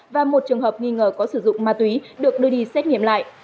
và một trường hợp nghi ngờ có sử dụng ma túy được đưa đi xét nghiệm lại